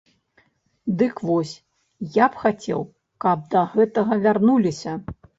Дык вось, я б хацеў, каб да гэтага вярнуліся.